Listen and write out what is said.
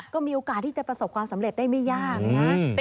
ก็มีโอกาสที่จะประสบความสำเร็จได้ไม่ยากนะ